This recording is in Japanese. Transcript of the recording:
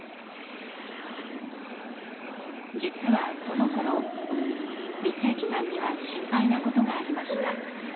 実はそのころ光行さんには心配なことがありました。